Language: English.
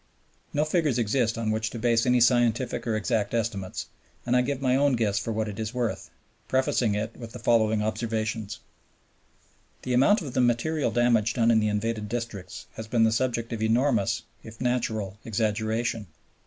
No figures exist on which to base any scientific or exact estimate, and I give my own guess for what it is worth, prefacing it with the following observations. The amount of the material damage done in the invaded districts has been the subject of enormous, if natural, exaggeration.